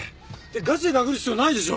がちで殴る必要ないでしょ。